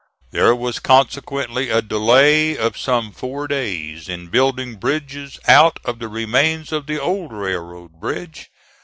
There was, consequently, a delay of some four days in building bridges out of the remains of the old railroad bridge.